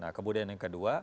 nah kemudian yang kedua